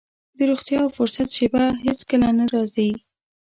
د روغتيا او فرصت شېبه هېڅ کله نه راځي.